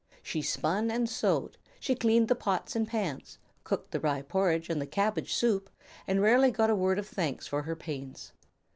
She spun and sewed, she cleaned the pots and pans, cooked the rye porridge and the cabbage soup, and rarely got a word of thanks for her pains.